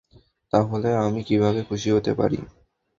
তাহলে আমি কিভাবে খুশি হতে পারি?